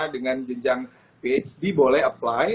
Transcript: dengan jenjang phd boleh apply